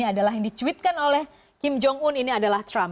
adalah yang dicuitkan oleh kim jong un ini adalah trump